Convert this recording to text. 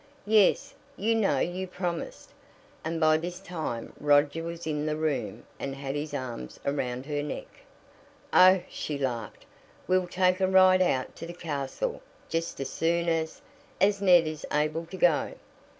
"Yes; you know you promised," and by this time Roger was in the room and had his arms around her neck. "Oh," she laughed, "we'll take a ride out to the castle just as soon as as Ned is able to go."